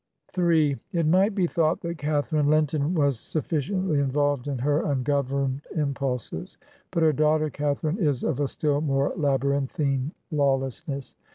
" m It might be thought that Catharine Linton was suf ficiently involved in her ungovemed impulses ; but her daughter Catharine is of a still more labyrinthine law lessness.